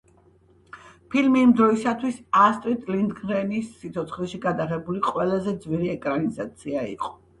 ფილმი იმ დროისთვის ასტრიდ ლინდგრენის სიცოცხლეში გადაღებული ყველაზე ძვირი ეკრანიზაცია იყო.